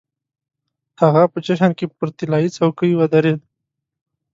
هغه په جشن کې پر طلايي څوکۍ ودرېد.